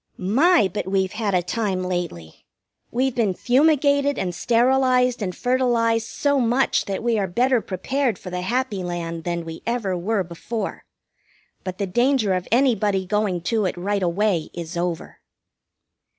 My, but we've had a time lately! We've been fumigated and sterilized and fertilized so much that we are better prepared for the happy land than we ever were before. But the danger of anybody going to it right away is over.